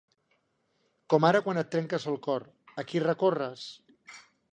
Com ara quan et trenques el cor. A qui recorres?